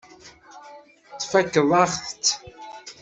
Tfakkeḍ-aɣ-tt.